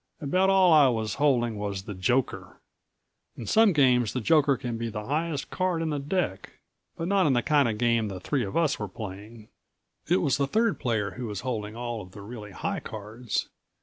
About all I was holding was the joker. In some games the joker can be the highest card in the deck, but not in the kind of game the three of us were playing. It was the third player who was holding all of the really high cards.